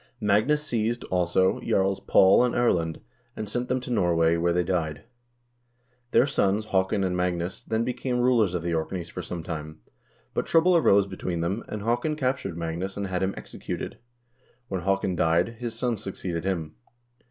1 Magnus seized, also, jarls Paul and Erlend, and sent them to Norway, where they died. Their sons Haakon and Magnus then became rulers of the Orkneys for some time, but trouble arose between them, and Haakon captured Magnus and had him executed. When Haakon died, his sons succeeded him.